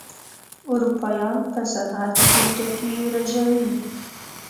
اروپايان په صنعت کې ټکي رژوي.